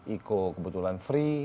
iko kebetulan free